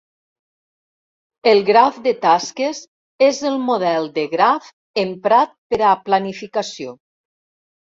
El graf de tasques és el model de graf emprat per a planificació.